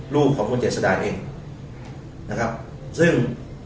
ลูกของคุณเจษดาเองนะครับซึ่ง